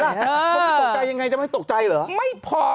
ตกใจยังไงจะไม่ตกใจเหรอ